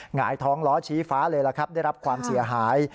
หงายท้องล้อชี้ฟ้าเลยล่ะครับได้รับความเสียหาย